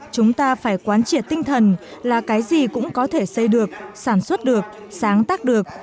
chúng ta phải quán triệt tinh thần là cái gì cũng có thể xây được sản xuất được sáng tác được